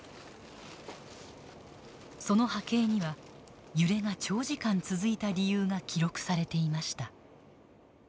その波形には揺れが長時間続いた理由が記録されていました。